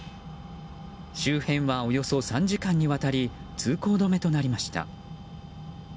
周辺はおよそ３時間にわたり通行止めとなりました。